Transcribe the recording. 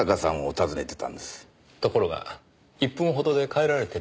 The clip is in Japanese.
ところが１分ほどで帰られてる。